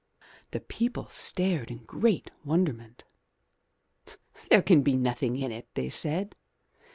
The people stared in great wonderment. "There can be nothing in it," they said.